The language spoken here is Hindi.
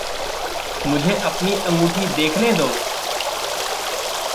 मुझे अपनी अँगूठी देखने दो।